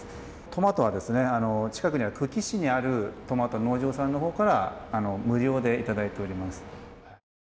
トマトは近くの久喜市にあるトマトの農場さんから無料でいただいております。